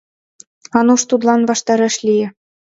Ануш тудлан ваштареш лие.